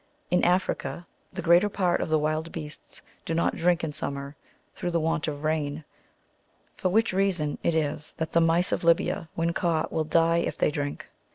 In Africa, the greater part of the wild beasts do not drink in summer, through the want of rain ; for which reason it is that the mice of Libya, when caught, will die if they drink.